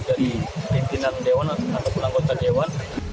dari pimpinan dewan ataupun anggota dewan